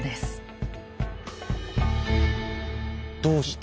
どうして？